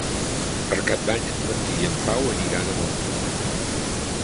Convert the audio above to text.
Per Cap d'Any en Martí i en Pau aniran a Montfort.